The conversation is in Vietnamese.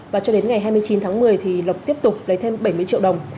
và cho đến ngày hai mươi chín tháng một mươi thì lộc tiếp tục lấy thêm bảy mươi triệu đồng